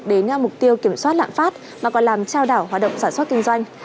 đến mục tiêu kiểm soát lạm phát mà còn làm trao đảo hoạt động sản xuất kinh doanh